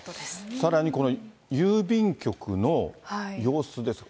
さらにこの郵便局の様子です。